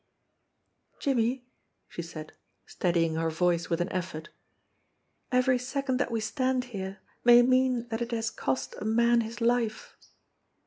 "Jimmie," she said, steadying her voice with an effort, "every second that we stand here may mean that it has cost a man his life."